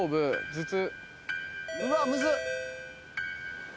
頭痛。